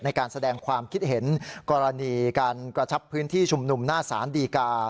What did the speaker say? ในการแสดงความคิดเห็นกรณีการกระชับพื้นที่ชุมนุมหน้าศาลดีกา